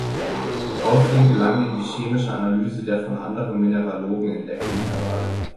Außerdem gelang ihm die chemische Analyse der von anderen Mineralogen entdeckten Minerale.